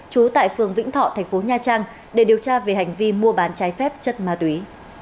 trú tại phường vĩnh thọ thành phố nha trang để điều tra về hành vi mua bán trái phép chất ma túy